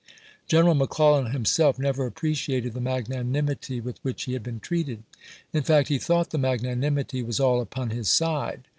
Greneral McClellan himself never appreciated the magnanimity with which he had been treated. In fact, he thought the magnanimity was all upon his side.